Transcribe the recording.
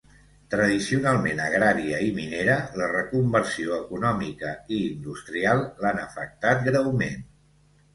Tradicionalment agrària i minera, la reconversió econòmica i industrial l'han afectat greument.